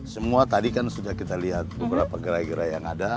semua tadi kan sudah kita lihat beberapa garis